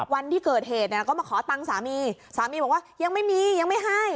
วันที่เกิดเหตุเนี่ยก็มาขอตังค์สามีสามีบอกว่ายังไม่มียังไม่ให้